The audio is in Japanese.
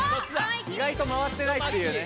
い外と回ってないっていうね。